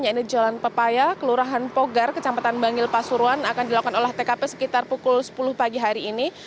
yaitu jalan pepaya kelurahan pogar kecamatan bangil pasuruan akan dilakukan olah tkp sekitar pukul sepuluh pagi hari ini